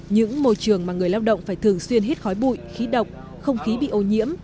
những môi trường mà người lao động phải thường xuyên hết khói bụi khí độc không khí bị ô nhiễm